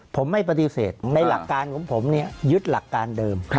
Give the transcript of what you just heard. ผมไม่ปฏิเสธหลักการของผมยึดเหล่าการเดิม